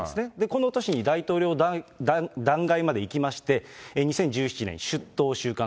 この年に大統領弾劾までいきまして、２０１７年、出頭、収監。